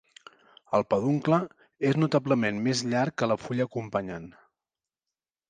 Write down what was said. El peduncle és notablement més llarg que la fulla acompanyant.